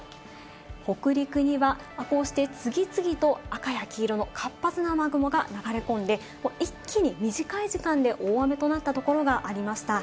北陸にはこうして次々と赤や黄色の活発な雨雲が流れ込んで一気に短い時間で大雨となったところがありました。